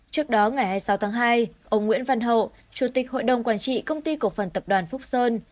trước đó ngày hai mươi sáu tháng hai ông nguyễn văn hậu chủ tịch hội đồng quản trị công ty cổ phần tập đoàn phúc sơn